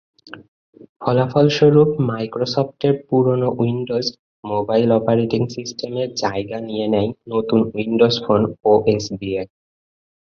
ফলাফলস্বরূপ মাইক্রোসফটের পুরোনো Windows mobile operating সিস্টেমের জায়গা নিয়ে নেয় নতুন উইন্ডোজ ফোন ওএস দিয়ে।